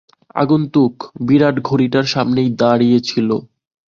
আগন্তুক বিরাট ঘড়িটার সামনেই দাঁড়িয়ে ছিল।